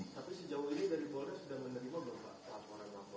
tapi sejauh ini dari polres sudah menerima belum pak laporan lapor